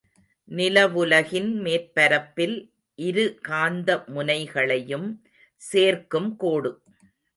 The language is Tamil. நிலவுலகின் மேற்பரப்பில் இரு காந்த முனைகளையும் சேர்க்கும் கோடு.